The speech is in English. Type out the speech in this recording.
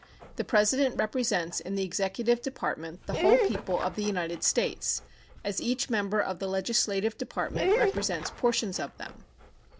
The President represents in the executive department the whole people of the United States, as each member of the legislative department represents portions of them.